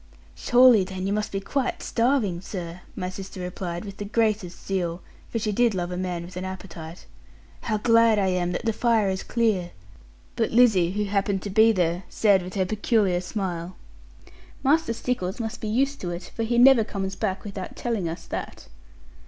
'Surely then you must be quite starving, sir,' my sister replied with the greatest zeal; for she did love a man with an appetite; 'how glad I am that the fire is clear!' But Lizzie, who happened to be there, said with her peculiar smile, 'Master Stickles must be used to it; for he never comes back without telling us that.'